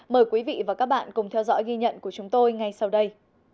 mời quý vị và các bạn cùng theo dõi ghi nhận của chúng tôi ngay sau đây